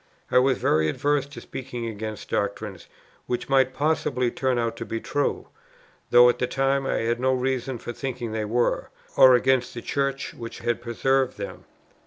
I was very averse to speaking against doctrines, which might possibly turn out to be true, though at the time I had no reason for thinking they were; or against the Church, which had preserved them.